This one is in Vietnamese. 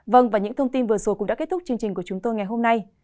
vâng và những thông tin vừa rồi cũng đã kết thúc chương trình của chúng tôi ngày hôm nay